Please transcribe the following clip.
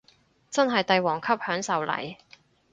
真係帝王級享受嚟